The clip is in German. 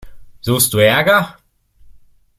Suchst du Ärger?